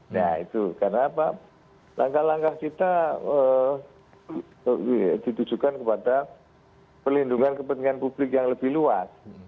nah itu karena apa langkah langkah kita ditujukan kepada pelindungan kepentingan publik yang lebih luas